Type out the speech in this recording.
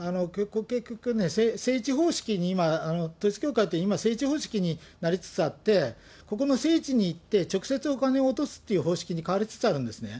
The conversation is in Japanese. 結局、聖地方式に、統一教会って、今、聖地方式になりつつあって、ここの聖地に行って、直接、お金を落とすっていう方式に変わりつつあるんですね。